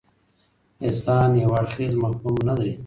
احسان یو اړخیز مفهوم نه دی.